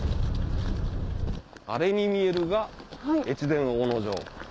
あれに見えるが越前大野城。